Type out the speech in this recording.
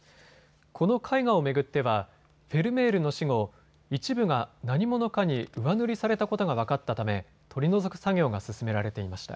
この絵画を巡ってはフェルメールの死後、一部が何者かに上塗りされたことが分かったため取り除く作業が進められていました。